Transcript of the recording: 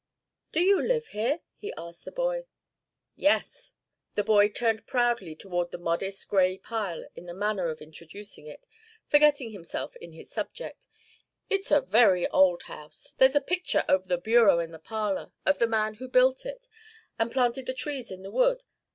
'Do you live here?' he asked of the boy. 'Yes.' The boy turned proudly toward the modest gray pile in the manner of introducing it, forgetting himself in his subject. 'It's a very old house. There's a picture over the bureau in the parlor of the man who built it, and planted the trees in the wood.